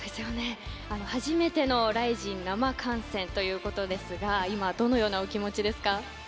初めてのＲＩＺＩＮ生観戦ということですが今、どのようなお気持ちですか。